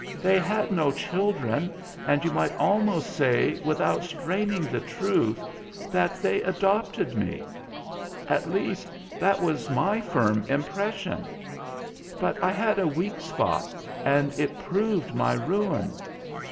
They had no children, and you might almost say, without straining the truth, that they adopted me. At least, that was my firm impression. But I had a weak spot, and it proved my ruin.